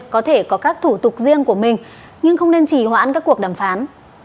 có thể có các thủ tục riêng của mình nhưng không nên chỉ hoãn các cuộc đàm phán